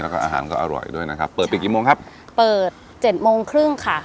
แล้วก็อาหารก็อร่อยด้วยนะครับเปิดปิดกี่โมงครับเปิดเจ็ดโมงครึ่งค่ะ